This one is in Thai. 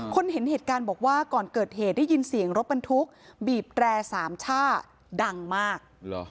เห็นเหตุการณ์บอกว่าก่อนเกิดเหตุได้ยินเสียงรถบรรทุกบีบแตรสามช่าดังมาก